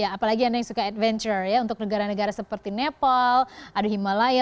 apalagi anda yang suka adventure ya untuk negara negara seperti nepal ada himalaya